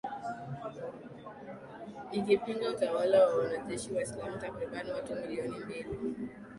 ikipinga utawala wa wanajeshi Waislamu Takriban watu milioni mbil